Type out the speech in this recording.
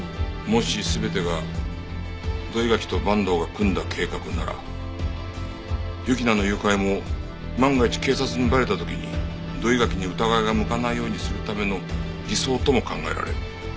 もし全てが土居垣と坂東が組んだ計画なら雪菜の誘拐も万が一警察にバレた時に土居垣に疑いが向かないようにするための偽装とも考えられる。